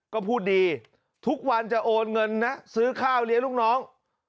ก็พูดดีทุกวันจะโอนเงินนะซื้อข้าวเลี้ยงลูกน้อง